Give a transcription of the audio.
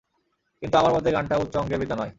কিন্তু, আমার মতে গানটা উচ্চ অঙ্গের বিদ্যা নয়।